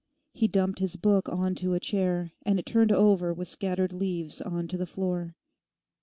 He dumped his book on to a chair and it turned over with scattered leaves on to the floor.